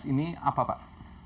ini apa pak